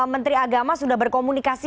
menteri agama sudah berkomunikasi